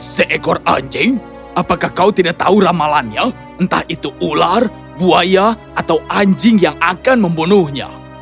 seekor anjing apakah kau tidak tahu ramalannya entah itu ular buaya atau anjing yang akan membunuhnya